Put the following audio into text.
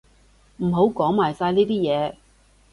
唔好講埋晒呢啲嘢